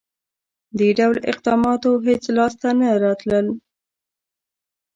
• دې ډول اقداماتو هېڅ لاسته نه راتلل.